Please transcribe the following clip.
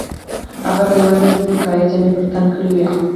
هغه د وېروس ضد وقايوي جامې پر تن کړې وې.